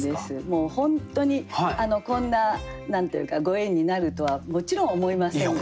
もう本当にこんな何て言うかご縁になるとはもちろん思いませんでして。